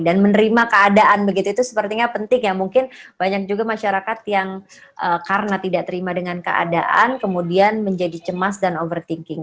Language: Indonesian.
dan menerima keadaan begitu itu sepertinya penting ya mungkin banyak juga masyarakat yang karena tidak terima dengan keadaan kemudian menjadi cemas dan overthinking